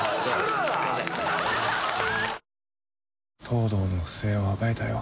藤堂の不正を暴いたよ